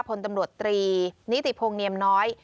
พลตำรวจตรีนิติพงศ์เนียมน้อย